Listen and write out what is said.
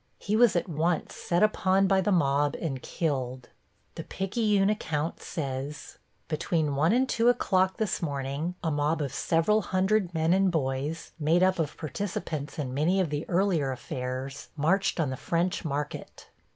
He was at once set upon by the mob and killed. The Picayune account says: Between 1 and 2 o'clock this morning a mob of several hundred men and boys, made up of participants in many of the earlier affairs, marched on the French Market.